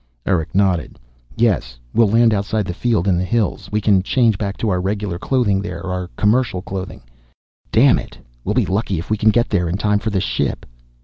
Erick nodded. "Yes. We'll land outside the field, in the hills. We can change back to our regular clothing there, our commercial clothing. Damn it we'll be lucky if we can get there in time for the ship."